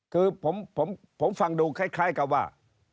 คือผมฟังดูคล้ายกับว่า